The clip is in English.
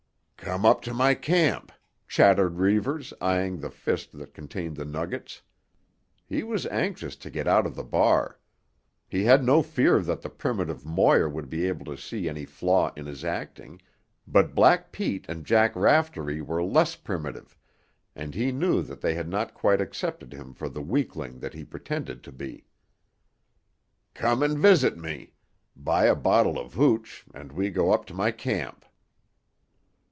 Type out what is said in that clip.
"Come up to my camp," chattered Reivers, eying the fist that contained the nuggets. He was anxious to get out of the bar. He had no fear that the primitive Moir would be able to see any flaw in his acting, but Black Pete and Jack Raftery were less primitive, and he knew that they had not quite accepted him for the weakling that he pretended to be. "Come and visit me. Buy a bottle of hooch and we go up to my camp."